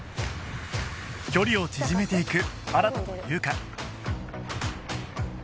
距離を縮めていく新と優香